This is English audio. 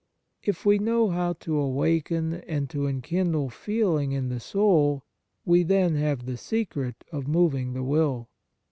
If we know how to awaken and to enkindle feeling in the soul, we then have the secret of moving the will.